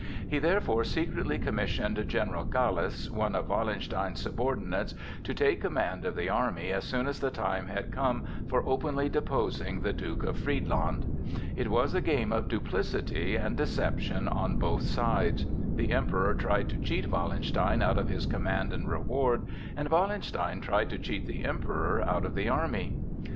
He therefore secretly commissioned General Gallas, one of Wallenstein's subordinates, to take command of the army as soon as the time had come for openly deposing the Duke of Friedland. It was a game of duplicity and deception on both sides. The Emperor tried to cheat Wallenstein out of his command and reward, and Wallenstein tried to cheat the Emperor out of the army.